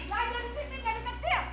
belajar disiplin dari kecil